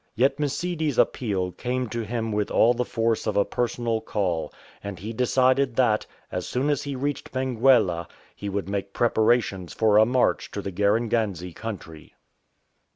Yet Msidi's appeal came to him with all the force of a personal call, and he decided that, as soon as he reached Benguela, he would make preparations for a march to the Garenganze country.